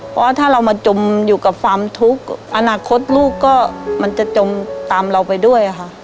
เพราะถ้าเรามาจมอยู่กับความทุกข์อนาคตลูกก็มันจะจมตามเราไปด้วยค่ะ